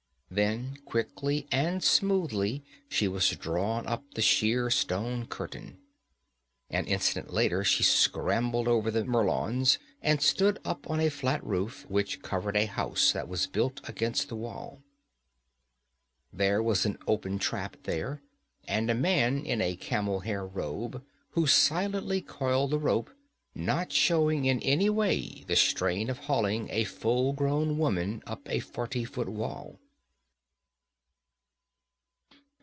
Then quickly and smoothly she was drawn up the sheer stone curtain. An instant later she scrambled over the merlons and stood up on a flat roof which covered a house that was built against the wall. There was an open trap there, and a man in a camel hair robe who silently coiled the rope, not showing in any way the strain of hauling a full grown woman up a forty foot wall.